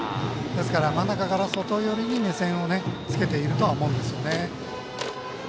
ですから真ん中から外寄りに目線をつけていると思うんですよね。